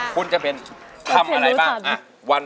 คุณจะเป็นทำอะไรบ้าง